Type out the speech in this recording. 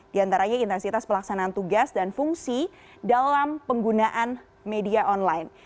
di antaranya intensitas pelaksanaan tugas dan fungsi dalam penggunaan media online